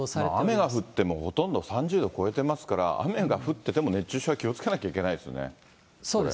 雨が降ってもほとんど３０度超えてますから、雨が降ってても熱中症は気をつけなければいけないですよね、これ。